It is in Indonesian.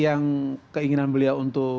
yang keinginan beliau untuk